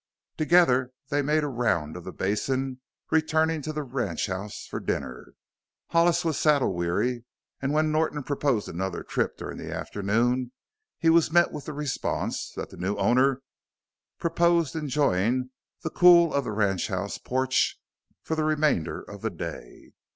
Together they made a round of the basin, returning to the ranchhouse for dinner. Hollis was saddle weary and when Norton proposed another trip during the afternoon he was met with the response that the new owner purposed enjoying the cool of the ranchhouse porch for the remainder of the day.